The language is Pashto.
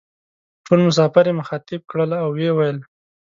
ټول مسافر یې مخاطب کړل او وې ویل: